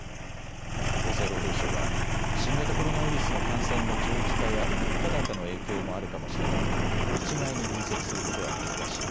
厚生労働省は新型コロナウイルスの感染の長期化や物価高の影響もあるかもしれないが一概に分析することは難しい。